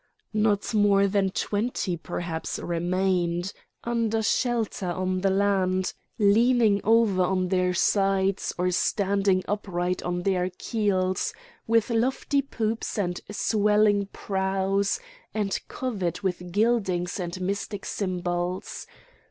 Not more than twenty perhaps remained, under shelter on the land, leaning over on their sides or standing upright on their keels, with lofty poops and swelling prows, and covered with gildings and mystic symbols.